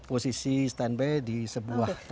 oh saat ini dua